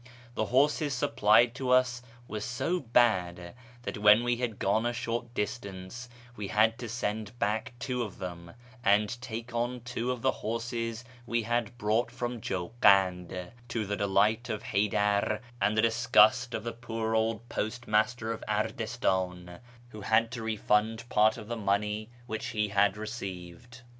The horses supplied to us were so bad that when we had gone a short distance we had to send back two of them and take on two of the horses we had brought from Jaukand, to the delight of Haydar and the disgust of the poor old postmaster of Ardistan, who had to refund part of the money which he had received.